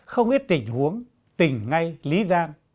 không ít tỉnh huống tỉnh ngay lý giang